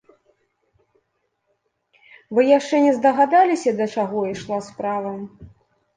Вы яшчэ не здагадаліся, да чаго ішла справа?